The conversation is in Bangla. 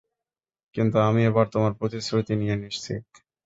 কিন্তু আমি এবার তোমার প্রতিশ্রুতি নিয়ে নিশ্চিত।